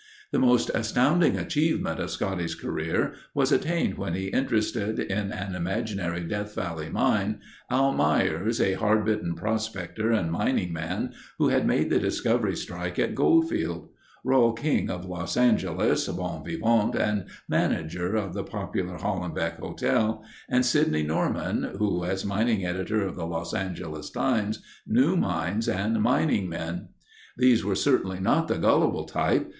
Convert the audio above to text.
The most astounding achievement of Scotty's career was attained when he interested in an imaginary Death Valley mine, Al Myers, a hard bitten prospector and mining man who had made the discovery strike at Goldfield; Rol King, of Los Angeles, bon vivant and manager of the popular Hollenbeck Hotel, and Sidney Norman who as mining editor of the Los Angeles Times knew mines and mining men. These were certainly not the gullible type.